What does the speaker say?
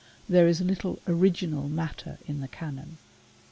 There is little original matter. in the Canon.